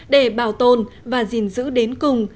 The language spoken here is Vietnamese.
để bảo tồn và gìn giữ đến cùng